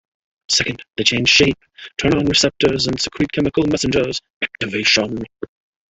Second, they change shape, turn on receptors and secrete chemical messengers: "activation".